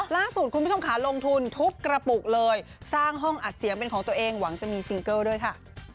ล่าสุดคุณผู้ชมค่ะลงทุนทุบกระปุกเลยสร้างห้องอัดเสียงเป็นของตัวเองหวังจะมีซิงเกิลด้วยค่ะ